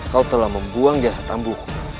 kau telah membuang jasa tambuhku